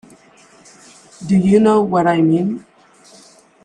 Do you know what I mean?